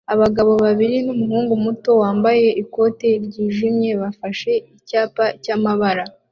Abagabo babiri numuhungu muto wambaye ikoti ryijimye bafashe ibyapa byamamaza